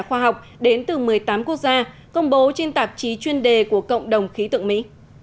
khoa học đến từ một mươi tám quốc gia công bố trên tạp chí chuyên đề của cộng đồng khí tượng mỹ